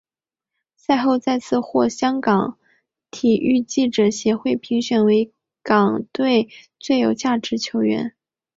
赛后再次获香港体育记者协会评选为港队最有价值球员。